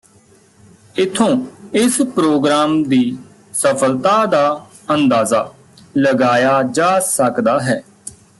ਇੱਥੋਂ ਇਸ ਪ੍ਰੋਗਰਾਮ ਦੀ ਸਫਲਤਾ ਦਾ ਅੰਦਾਜ਼ਾ ਲਗਾਇਆ ਜਾ ਸਕਦਾ ਹੈ